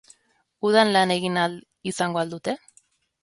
Udan lan egin ahal izango al dute?